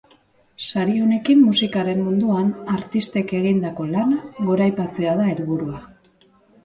Sari honekin musikaren munduan artistek egindako lana goraipatzea da helburua.